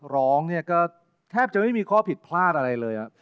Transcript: ร้องเนี่ยก็แทบจะไม่มีข้อผิดพลาดอะไรเลย